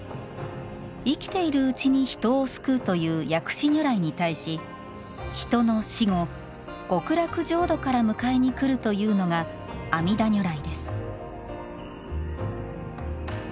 生きているうちに人を救うという薬師如来に対し、人の死後極楽浄土から迎えに来るというのが阿弥陀如来です。